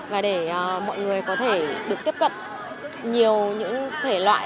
và để mọi người có thể được tiếp cận nhiều những thể loại